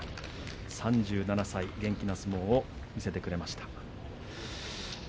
３７歳、元気な相撲を見せてくれました。